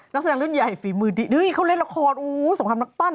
นักสนักรุ่นใหญ่ฝีมือดีเขาเล่นละครโอ้โฮสมทรัพย์นักปั้น